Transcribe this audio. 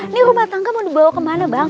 ini rumah tangga mau dibawa kemana bang